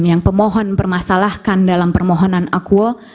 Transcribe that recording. yang pemohon permasalahkan dalam permohonan akuo